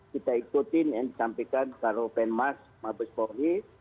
kita ikutin yang disampaikan karo penmas mahbubi polri